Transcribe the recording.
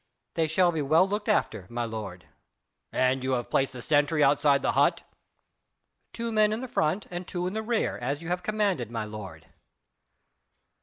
"They shall be well looked after, my lord." "And you have placed the sentry outside the hut?" "Two men in the front and two in the rear, as you have commanded, my lord."